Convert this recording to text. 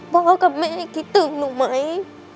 พ่อกับแม่คิดถึงหนูไหม